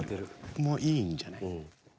もういいんじゃない？